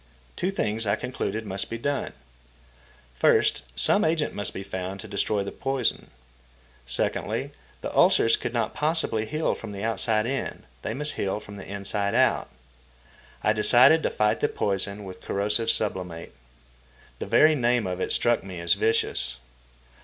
Two things I concluded must be done. First, some agent must be found to destroy the poison. Secondly, the ulcers could not possibly heal from the outside in; they must heal from the inside out. I decided to fight the poison with corrosive sublimate. The very name of it struck me as vicious.